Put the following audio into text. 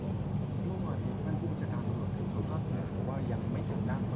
หมอบรรยาหมอบรรยา